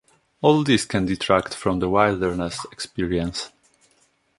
All these can detract from the wilderness experience.